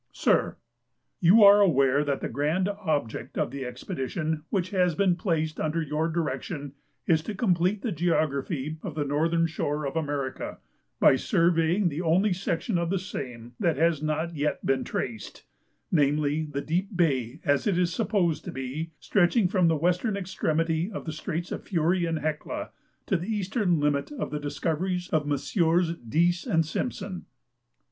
"SIR, "You are aware that the grand object of the expedition which has been placed under your direction is to complete the geography of the northern shore of America, by surveying the only section of the same that has not yet been traced, namely, the deep bay, as it is supposed to be, stretching from the western extremity of the Straits of the Fury and Hecla to the eastern limit of the discoveries of Messrs. Dease and Simpson.